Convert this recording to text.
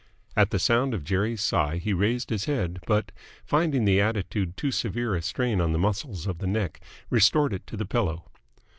At the sound of Jerry's sigh he raised his head, but, finding the attitude too severe a strain on the muscles of the neck, restored it to the pillow.